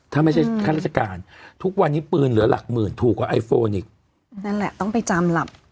ถ้าไม่ใช่ข้าราชการทุกวันนี้ปืนเหลือหลักหมื่นถูกกว่าไอโฟนอีกนั่นแหละต้องไปจำหลับ